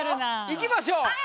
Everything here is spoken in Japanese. いきましょう。